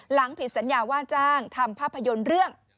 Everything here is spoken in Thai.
ผิดสัญญาว่าจ้างทำภาพยนตร์เรื่อง